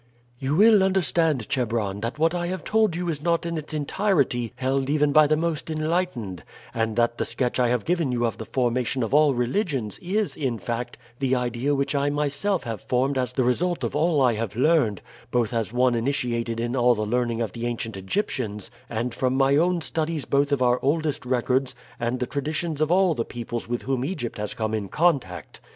"You will understand, Chebron, that what I have told you is not in its entirety held even by the most enlightened, and that the sketch I have given you of the formation of all religions is, in fact, the idea which I myself have formed as the result of all I have learned, both as one initiated in all the learning of the ancient Egyptians and from my own studies both of our oldest records and the traditions of all the peoples with whom Egypt has come in contact.